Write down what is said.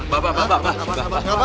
bapak bapak bapak